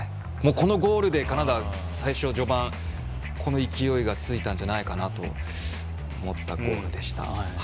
このゴールでカナダ、最初、序盤この勢いがついたんじゃないかなと思ったゴールでした。